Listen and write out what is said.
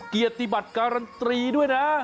เกียรติบัติการันตรีด้วยนะ